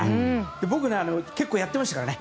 僕、結構やっていましたからね。